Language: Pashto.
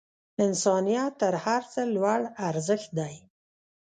انسانیت تر هر څه لوړ ارزښت دی.